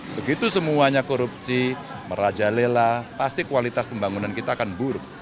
begitu semuanya korupsi merajalela pasti kualitas pembangunan kita akan buruk